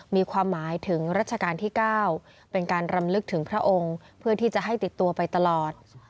มีความหมายถึงรัชกาลที่๙เป็นการรำลึกถึงพระองค์เพื่อที่จะให้ติดตัวไปตลอด